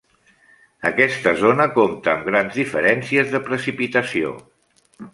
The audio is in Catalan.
Aquesta zona compta amb grans diferències de precipitació.